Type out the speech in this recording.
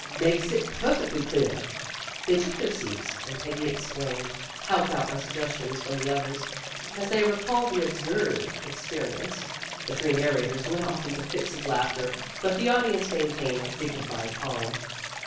"Makes it perfectly clear." They took their seats, and Peggy explained, helped out by suggestions from the others. As they recalled the absurd experience, the three narrators went off into fits of laughter, but the audience maintained a dignified calm.